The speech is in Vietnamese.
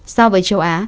so với châu á